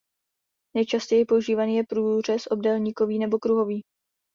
Nejčastěji používaný je průřez obdélníkový nebo kruhový.